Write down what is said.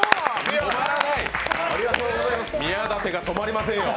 宮舘が止まりませんよ。